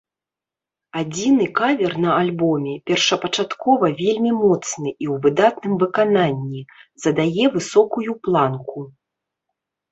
Адзіны кавер на альбоме, першапачаткова вельмі моцны і ў выдатным выкананні, задае высокую планку.